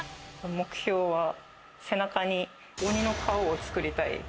目標は背中に鬼の顔を作りたい。